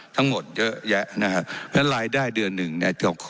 ทั้งหมดเยอะแยะนะฮะงั้นรายได้เดือนหนึ่งเนี่ย